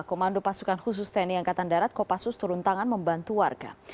komando pasukan khusus tni angkatan darat kopassus turun tangan membantu warga